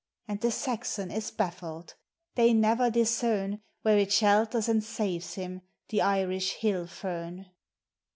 And the Saxon is baffled. They never discern Where it shelters and saves him, the Irish hilJ fern.